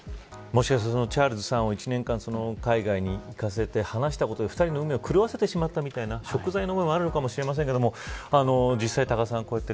もしかするとチャールズさんを１年間、海外に行かせて離したことで２人の運命を狂わせてしまったみたいな贖罪の意味もあるのかもしれませんが。